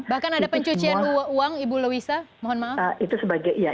bahkan ada pencucian uang ibu louisa mohon maaf